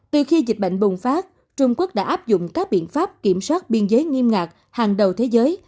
từ khi dịch bệnh bùng phát trung quốc đã áp dụng các biện pháp kiểm soát biên giới nghiêm ngặt hàng đầu thế giới